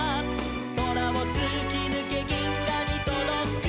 「そらをつきぬけぎんがにとどく」